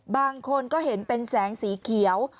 บางคนก็เห็นเป็นแสงสีเขียว